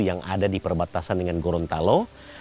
yang ada di perbatasan dengan gorontalo